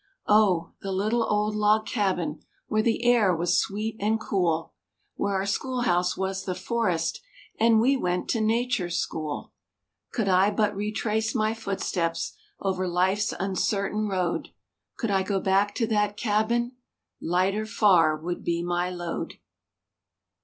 Oh!—the little old log cabin! Where the air was sweet and cool, Where our school house was the forest, And we went to Nature's school; Could I but re trace my footsteps Over life's uncertain road, Could I go back to that cabin, Lighter far would be my load.